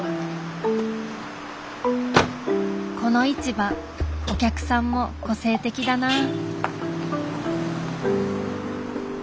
この市場お客さんも個性的だなぁ。